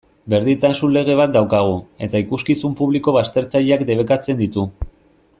Berdintasun lege bat daukagu, eta ikuskizun publiko baztertzaileak debekatzen ditu.